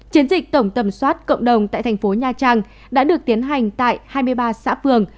chiến dịch tổng tầm soát cộng đồng tại thành phố nha trang đã được tiến hành tại hai mươi ba xã phường